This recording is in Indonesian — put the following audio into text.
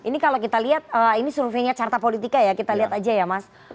ini kalau kita lihat ini surveinya carta politika ya kita lihat aja ya mas